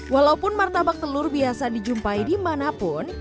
walaupun martabak telur biasa dijumpai dimanapun